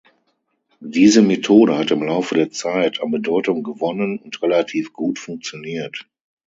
Diese Methode hat im Laufe der Zeit an Bedeutung gewonnen und relativ gut funktioniert.